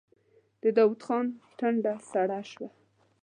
د داوود خان ټنډه سړه شوه.